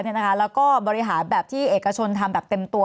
แล้วก็บริหารแบบที่เอกชนทำแบบเต็มตัว